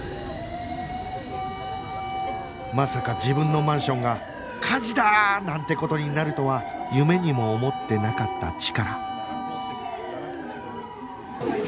まさか自分のマンションが「火事だ！」なんて事になるとは夢にも思ってなかったチカラ